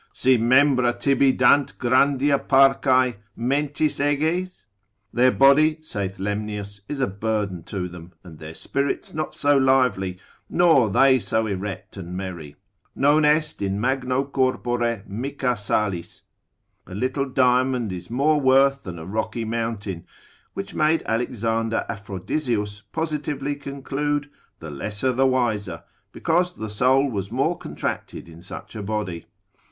———si membra tibi dant grandia Parcae, Mentis eges? Their body, saith Lemnius, is a burden to them, and their spirits not so lively, nor they so erect and merry: Non est in magno corpore mica salis: a little diamond is more worth than a rocky mountain: which made Alexander Aphrodiseus positively conclude, The lesser, the wiser, because the soul was more contracted in such a body.